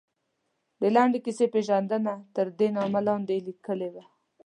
د لنډې کیسې پېژندنه، تردې نامه لاندې یې لیکلي وو.